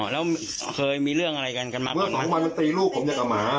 แล้วเคยมีเรื่องอะไรกันกันมาก่อนเมื่อสองบาทมันตีรูปผมอย่างอ่ะหมา